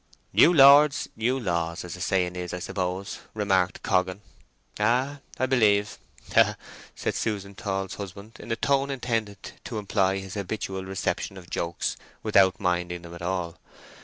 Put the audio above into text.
"New Lords new laws, as the saying is, I suppose," remarked Coggan. "Ay, 'a b'lieve—ha, ha!" said Susan Tall's husband, in a tone intended to imply his habitual reception of jokes without minding them at all.